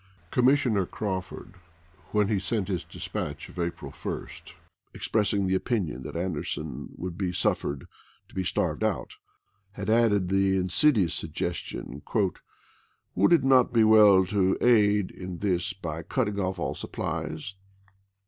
Commissioner Crawford, when he sent his dis patch of April 1 expressing the opinion that An derson would be suffered "to be starved out," had added the insidious suggestion, " would it not be well to aid in this by cutting off all supplies?"